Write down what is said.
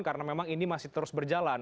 karena memang ini masih terus berjalan